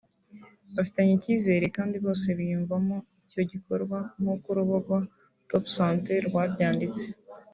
bafitanye icyizere kandi bose biyumvamo icyo gikorwa nk’uko urubuga topsante rwabyanditse